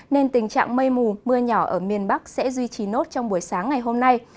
nên tình trạng mây mù mưa nhỏ ở miền bắc sẽ duy trì nốt trong buổi sáng ngày hôm nay